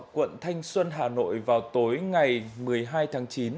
quận thanh xuân hà nội vào tối ngày một mươi hai tháng chín